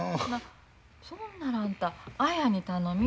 そんならあんた綾に頼み。